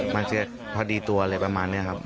มันจะพอดีตัวอะไรประมาณนี้ครับ